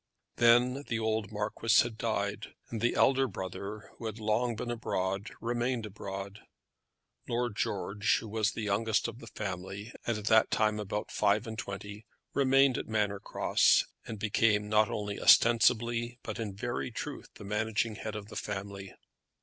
Then the old Marquis had died, and the elder brother, who had long been abroad, remained abroad. Lord George, who was the youngest of the family, and at that time about five and twenty, remained at Manor Cross, and became not only ostensibly but in very truth the managing head of the family.